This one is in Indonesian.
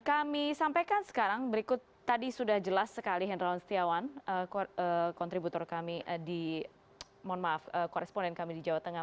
kami sampaikan sekarang berikut tadi sudah jelas sekali hendrawan setiawan kontributor kami di mohon maaf koresponden kami di jawa tengah